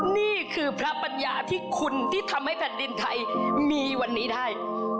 นี่คือพระปัญญาที่คุณที่ทำให้แผ่นดินไทยมีวันนี้ได้